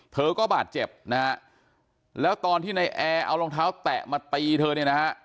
เธอก็บาดเจ็บนะฮะแล้วตอนที่ในแอร์เอารองเท้าแตะมาตีเธอเนี่ยนะฮะ